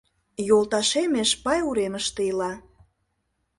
— Йолташем Эшпай уремыште ила.